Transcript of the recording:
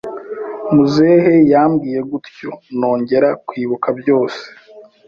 Muzehe yambwiye gutyo nongera kwibuka byose,